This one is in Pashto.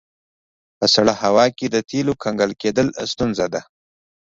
په سړه هوا کې د تیلو کنګل کیدل ستونزه ده